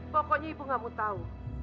pokoknya ibu gak mau tahu